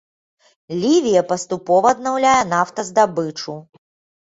Лівія паступова аднаўляе нафтаздабычу.